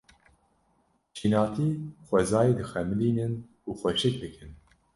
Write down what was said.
Şînatî xwezayê dixemilînin û xweşik dikin.